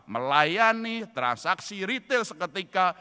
melayani transaksi retail seketika